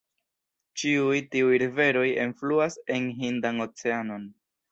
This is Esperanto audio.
Ĉiuj tiuj riveroj enfluas en Hindan Oceanon.